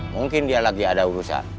mungkin dia lagi ada urusan